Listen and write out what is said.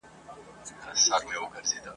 له هسکه به تر کله د رحمت کوی خواستونه ..